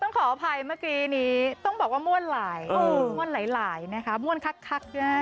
ต้องขออภัยเมื่อกี้นี้ต้องบอกว่ามวลหลายนะคะมวลคักนะ